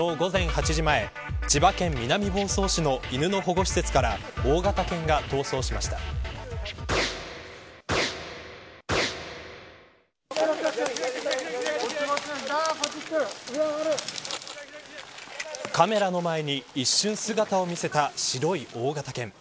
昨日午前８時前千葉県南房総市の犬の保護施設からカメラの前に一瞬姿を見せた白い大型犬。